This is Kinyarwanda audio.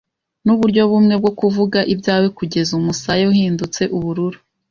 Nuburyo bumwe bwo kuvuga ibyawe 'kugeza umusaya uhindutse ubururu